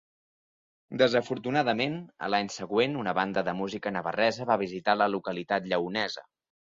Desafortunadament, a l'any següent, una banda de música navarresa va visitar la localitat lleonesa.